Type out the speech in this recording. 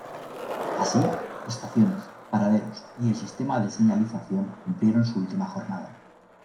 Así, estaciones, paraderos y el sistema de señalización cumplieron su última jornada.